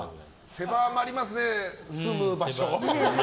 狭まりますね、住む場所。